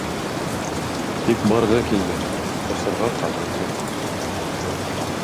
Тик барғы килмәй, осорға ҡанат юҡ.